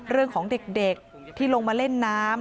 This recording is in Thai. เรื่องของเด็กที่ลงมาเล่นน้ำ